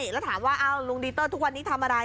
แล้วถามว่าลุงดีเตอร์ทุกวันนี้ทำอะไร